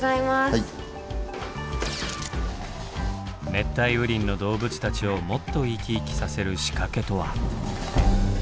熱帯雨林の動物たちをもっとイキイキさせる仕掛けとは。